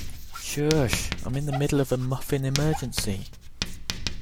Shush! I'm in the middle of a muffin emergency.